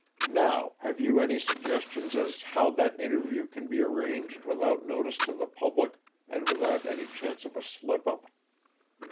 Now, have you any suggestions as to how that interview can be arranged without notice to the public and without any chance of a slip up?"